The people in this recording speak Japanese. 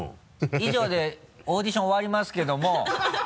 以上でオーディション終わりますけども。